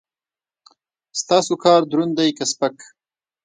ستاسو کار دروند دی که سپک؟